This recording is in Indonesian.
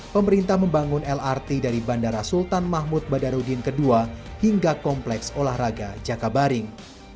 pemerintah membangun lrt dari bandara sultan mahmud badarudin ii hingga kompleks olahraga jakabaring